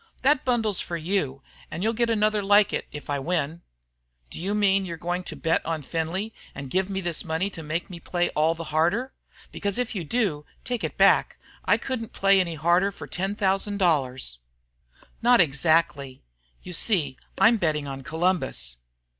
"That bundle's for you, and you'll get another like it if I win." "Do you mean you are going to bet on Findlay and give me this money to make me play all the harder? Because, if you do, take it back. I couldn't play any harder for ten thousand dollars." "Not exactly. You see I'm betting on Columbus."